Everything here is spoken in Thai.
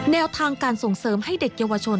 แนวทางการส่งเสริมให้เด็กเยาวชน